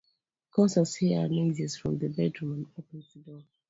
Constance hears noises from the bedroom and opens the door.